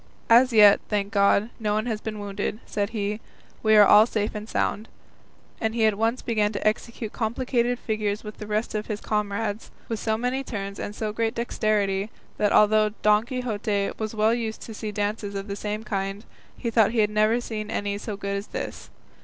"As yet, thank God, no one has been wounded," said he, "we are all safe and sound;" and he at once began to execute complicated figures with the rest of his comrades, with so many turns and so great dexterity, that although Don Quixote was well used to see dances of the same kind, he thought he had never seen any so good as this.